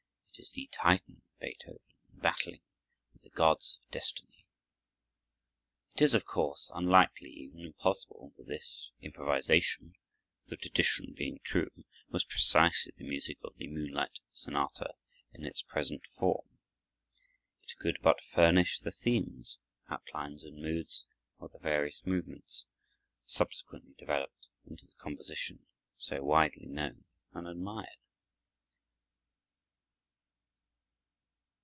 It is the Titan Beethoven battling with the gods of destiny. It is, of course, unlikely, even impossible, that this improvisation,—the tradition being true,—was precisely the music of the Moonlight Sonata in its present form. It could but furnish the themes, outlines, and moods of the various movements, subsequently developed into the composition so widely known and admired.